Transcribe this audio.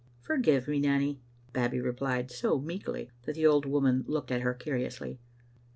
"Forgive me, Nanny," Babbie replied, so meekly that the old woman looked at her curiously.